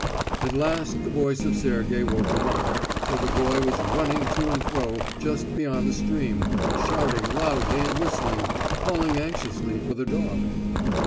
At last the voice of Sergey woke him up, for the boy was running to and fro just beyond the stream, shouting loudly and whistling, calling anxiously for the dog.